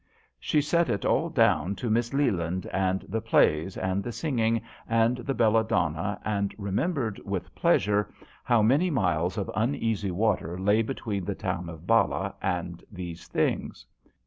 She set it all down to Miss Leland and the plays, and the singing, and the belladonna, and remembered with pleasure how JOHN SHERMAN. 151 many miles of uneasy water lay between the town of Ballah and these things.